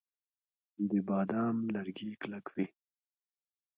د بادام لرګي کلک وي.